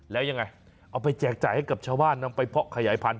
แล้วยังไงเอาไปแจกจ่ายให้กับชาวบ้านนำไปเพาะขยายพันธ